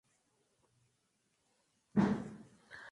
Poseía un solo timón.